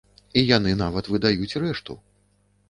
І яны нават выдаюць рэшту!